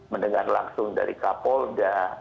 mendengar langsung dari kapolda